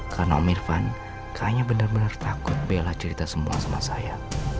karena om irvan kayaknya bener bener takut bella cerita semua sama saya